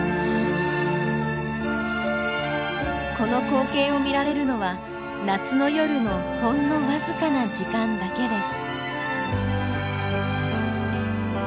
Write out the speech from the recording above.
この光景を見られるのは夏の夜のほんの僅かな時間だけです。